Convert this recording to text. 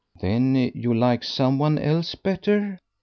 "Then you like some one else better?"